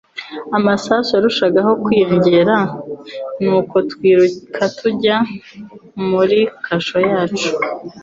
Amasasu yarushagaho kwiyongera nuko twiruka tujya muri kasho yacu